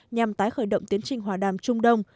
nhằm tái khởi động tiến trình hòa đàm trung đông